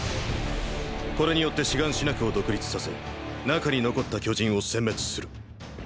これによってシガンシナ区を独立させ中に残った巨人を殲滅する。